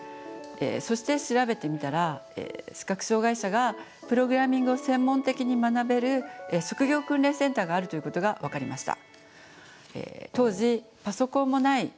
そして調べてみたら視覚障害者がプログラミングを専門的に学べる職業訓練センターがあるということが分かりました。